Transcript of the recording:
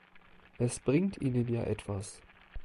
Es bringt ihnen ja etwas.